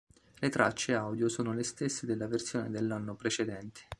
Le tracce audio sono le stesse della versione dell'anno precedente.